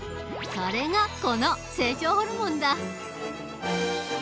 それがこの成長ホルモンだ。